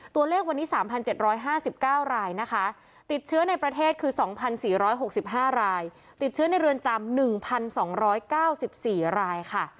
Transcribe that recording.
ตัวเลขวันนี้๓๗๕๙รายนะคะติดเชื้อในประเทศคือ๒๔๖๕รายติดเชื้อในเรือนจำ๑๒๙๔รายค่ะ